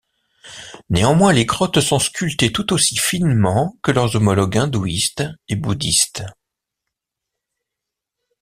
Néanmoins les grottes sont sculptées tout aussi finement que leurs homologues hindouistes et bouddhistes.